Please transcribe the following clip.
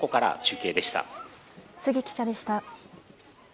杉記者でした。